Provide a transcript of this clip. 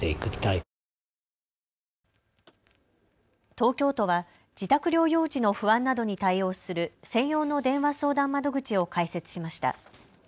東京都は自宅療養時の不安などに対応する専用の電話相談窓口を開設しました。